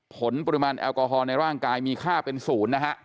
ผลปริมาณแอลกอฮอลในร่างกายมีค่าเป็นศูนย์นะฮะ